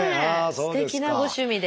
すてきなご趣味で。